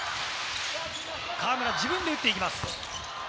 河村、自分で打っていきます。